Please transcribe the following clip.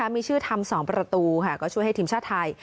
มีชื่อทำ๒ประตูก็ช่วยให้ทีมชาติไทย